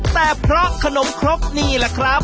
แต่เพราะขนมครกนี่แหละครับ